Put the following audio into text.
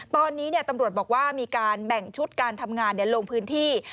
ตอนนี้ตำรวจบอกว่ามีการแบ่งชุดการทำงานลงพื้นที่